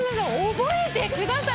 覚えてください。